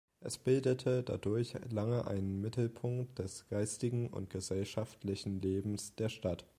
Es bildete dadurch lange einen Mittelpunkt des geistigen und gesellschaftlichen Lebens der Stadt.